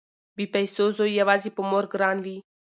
بې پيسو زوی يواځې په مور ګران وي